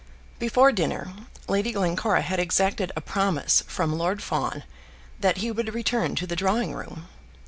Before dinner Lady Glencora had exacted a promise from Lord Fawn that he would return to the drawing room.